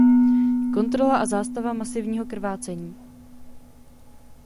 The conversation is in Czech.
Kontrola a zástava masivního krvácení.